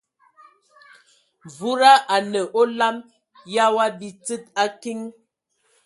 Wuda anə olam ya wa bi tsid a kiŋ.